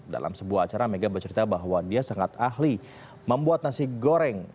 dalam sebuah acara mega bercerita bahwa dia sangat ahli membuat nasi goreng